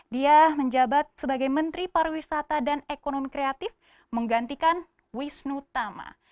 dia menjabat sebagai menteri pariwisata dan ekonomi kreatif menggantikan wisnu tama